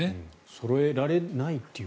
そろえられないという。